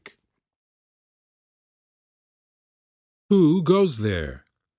20 Who goes there?